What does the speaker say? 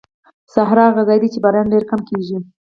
صحرا هغه ځای دی چې باران ډېر کم کېږي.